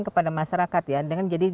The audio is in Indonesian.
kepada masyarakat dengan jadi